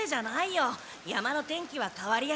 山の天気はかわりやすいから。